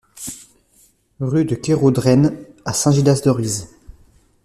Rue de Kéraudren à Saint-Gildas-de-Rhuys